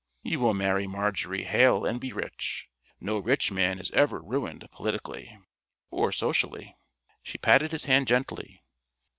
"You will marry Marjorie Hale and be rich. No rich man is ever ruined politically. Or socially." She patted his hand gently.